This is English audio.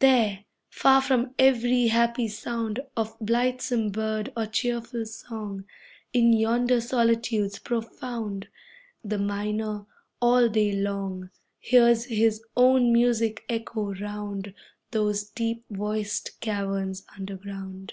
There, far from every happy sound Of blithesome bird or cheerful song, In yonder solitudes profound, The miner, all day long, Hears his own music echo round Those deep voiced caverns underground.